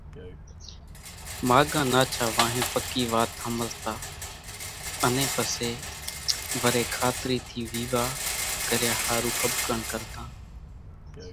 ماڳان ناڇا وانهين پڪِي وات ۿمزتان، انين پسيَ وريَ کاترِي ٿِي ويوا ڪريا ۿارُو ۿٻڪڻ ڪرتان۔